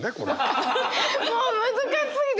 もう難しすぎて！